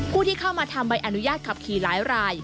ผู้ที่เข้ามาทำใบอนุญาตขับขี่หลายราย